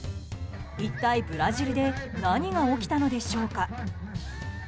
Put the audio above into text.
一体ブラジルで何が起きたのでしょうか。